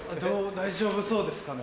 大丈夫そうですかね。